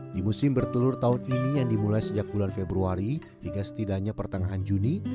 di musim bertelur tahun ini yang dimulai sejak bulan februari hingga setidaknya pertengahan juni